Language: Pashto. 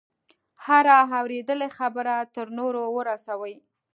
هره اورېدلې خبره تر نورو ورسوي.